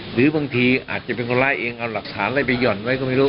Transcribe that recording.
หรือบางทีอาจจะเป็นคนร้ายเองเอาหลักฐานอะไรไปหย่อนไว้ก็ไม่รู้